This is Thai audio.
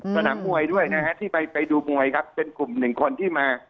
สนามมวยด้วยนะฮะที่ไปดูมวยครับเป็นกลุ่มหนึ่งคนที่มา